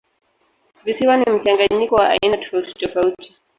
Visiwa ni mchanganyiko wa aina tofautitofauti.